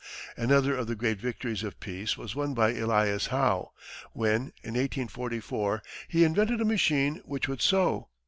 Another of the great victories of peace was won by Elias Howe, when, in 1844, he invented a machine which would sew.